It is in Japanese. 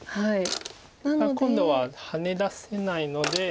今度はハネ出せないので。